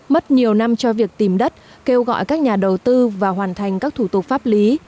mất nhiều năm cho việc tìm đất kêu gọi các nhà đầu tư và hoàn thành các thủ tục pháp lý